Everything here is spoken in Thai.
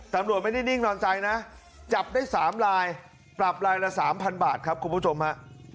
ตำรวจไม่ได้นิ่งนอนใจนะจับได้๓ลายปรับลายละ๓๐๐บาทครับคุณผู้ชมฮะ